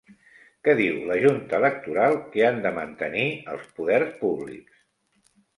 Què diu la Junta Electoral que han de mantenir els poders públics?